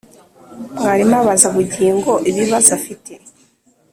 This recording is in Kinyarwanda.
Mwarimu abaza Bugingo ibibazo afite